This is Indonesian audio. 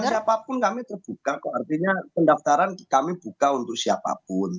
siapapun kami terbuka kok artinya pendaftaran kami buka untuk siapapun